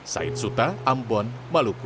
said suta ambon maluku